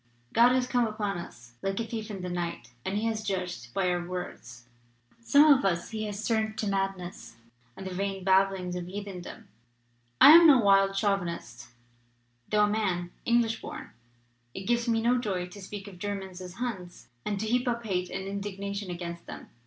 God has come upon us like a thief in the night, and He has judged by our words. Some of us He has turned to madness and the vain babblings of heathen dom. I am no wild chauvinist; though a man, English born, it gives me no joy to speak of Ger mans as Huns, and to heap up hate and indigna tion against them.